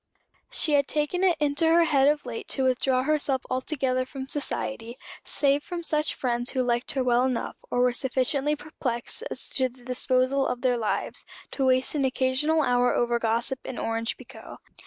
She had taken it into her head of late to withdraw herself altogether from society, save from such friends who liked her well enough, or were sufficiently perplexed as to the disposal of their lives, to waste an occasional hour over gossip and orange pekoe.